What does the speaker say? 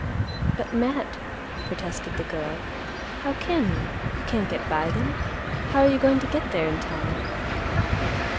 "But, Matt," protested the girl; "how can you? You can't get by them. How're you goin' to get there in time?"